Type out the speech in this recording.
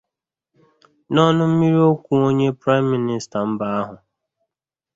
N’ọnụ mmiri okwu onye Praịm Minista mba ahụ